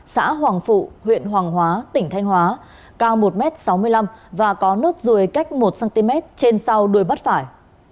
xã hoàng phụ huyện hoàng hóa tỉnh thanh hóa cao một m sáu mươi năm và có nốt ruồi cách một cm trên sau đuôi mắt phải